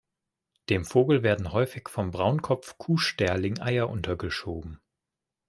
Dem Vogel werden häufig vom Braunkopf-Kuhstärling Eier untergeschoben.